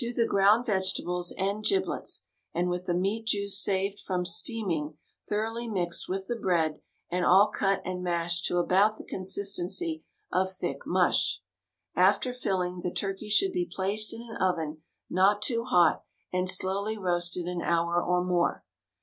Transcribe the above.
THE STAG COOK BOOK ground vegetables and giblets, and with the meat juice saved from steaming, thoroughly mixed with the bread and all cut and mashed to about the consistency of thick mush. After filling, the turkey should be placed in an oven not too hot, and slowly roasted an hour or more.